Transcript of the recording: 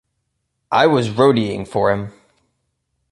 I was roadieing for him!